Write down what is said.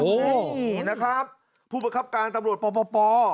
โอ้โหนะครับผู้ประครับการตำรวจปปป